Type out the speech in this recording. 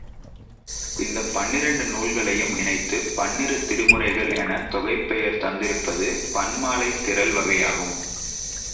இந்தப் பன்னிரண்டு நூல்களையும் இணைத்துப் பன்னிரு திருமுறைகள் எனத் தொகைப் பெயர் தந்திருப்பது, பன் மாலைத் திரள் வகையாகும்.